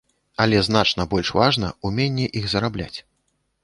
Але значна больш важна ўменне іх зарабляць.